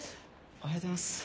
おはようございます。